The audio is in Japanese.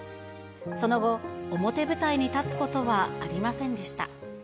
その後、表舞台に立つことはありませんでした。